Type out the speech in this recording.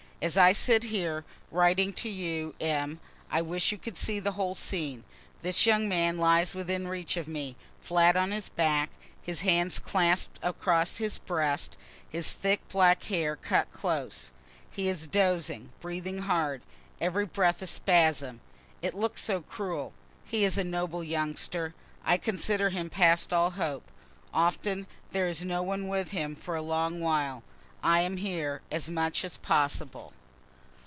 As I sit here writing to you, M., I wish you could see the whole scene. This young man lies within reach of me, flat on his back, his hands clasp'd across his breast, his thick black hair cut close; he is dozing, breathing hard, every breath a spasm it looks so cruel. He is a noble youngster, I consider him past all hope. Often there is no one with him for a long while. I am here as much as possible.